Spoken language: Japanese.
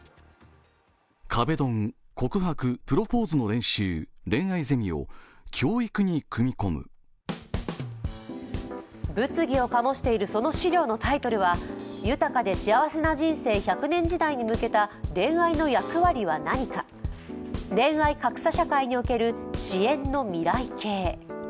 壁ドン、告白、プロポーズの練習、恋愛ゼミを物議を醸しているその資料のタイトルは豊かで幸せな人生１００年時代に向けた、恋愛の役割は何か恋愛格差社会における支援の未来形。